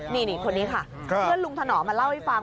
นี่คนนี้ค่ะเพื่อนลุงถนอมมาเล่าให้ฟัง